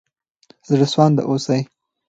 زړه سوانده اوسئ.